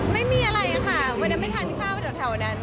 ไม่มีอะไรค่ะวันนั้นไปทานข้าวแถวนั้น